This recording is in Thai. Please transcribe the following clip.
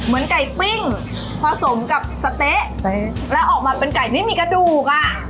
ไก่ปิ้งผสมกับสะเต๊ะแล้วออกมาเป็นไก่ไม่มีกระดูกอ่ะ